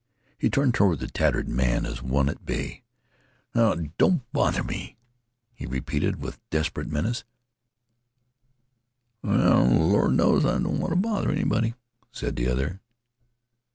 He turned toward the tattered man as one at bay. "Now, don't bother me," he repeated with desperate menace. "Well, Lord knows I don't wanta bother anybody," said the other.